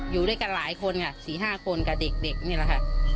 อยู่ด้วยกันหลายคนค่ะสี่ห้าคนกับเด็กเด็กนี่แหละค่ะ